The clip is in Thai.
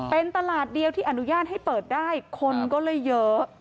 เป็นตลาดเดียวที่อนุญาตให้เปิดได้คนก็เลยเยอะ